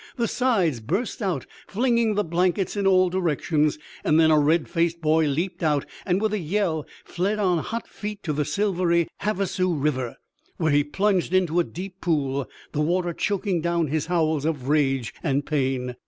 The sides burst out, flinging the blankets in all directions. Then a red faced boy leaped out, and with a yell, fled on hot feet to the silvery Havasu River, where he plunged into a deep pool, the water choking down his howls of rage and pain.